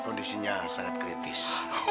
kondisinya sangat kritis